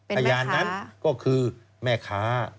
พยานนั้นก็คือแม่ค้า